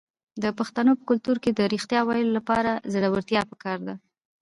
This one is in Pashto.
د پښتنو په کلتور کې د ریښتیا ویلو لپاره زړورتیا پکار ده.